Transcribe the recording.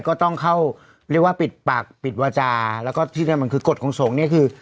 ก็ต้องเข้าเรียกว่าปิดปากปิดวาจาแล้วก็ที่นั่นมันคือกฎของสงฆ์เนี่ยคือ